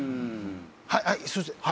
はいすいません。